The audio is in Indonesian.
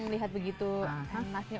lihat begitu enaknya